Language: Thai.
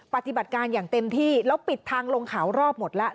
ปฏิบัติการอย่างเต็มที่แล้วปิดทางลงเขารอบหมดแล้ว